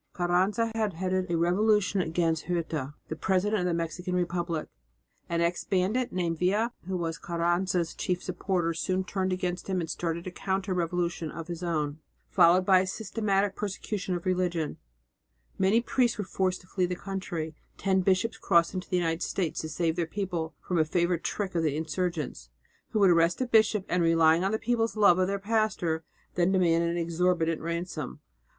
Carranza had headed a revolution against Huerta, the president of the Mexican Republic, An ex bandit named Villa, who was Carranza's chief supporter, soon turned against him and started a counter revolution of his own, followed by a systematic persecution of religion. Many priests were forced to flee the country, ten bishops crossed into the United States to save their people from a favourite trick of the insurgents, who would arrest a bishop and, relying on the people's love of their pastor, then demand an exorbitant ransom.